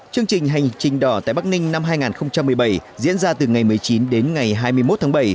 chương trình hành trình đỏ tại bắc ninh năm hai nghìn một mươi bảy diễn ra từ ngày một mươi chín đến ngày hai mươi một tháng bảy